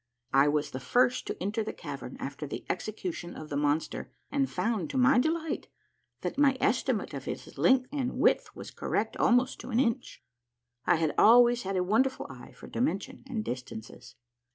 I was the first to enter the cavern after the execution of the monster, and found, to my delight, that my estimate of his length and width was correct almost to an inch. I always had a wonderful eye for dimension and distances.